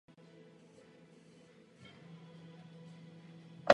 Na to poukazuje naše usnesení a já tento postoj podporuji.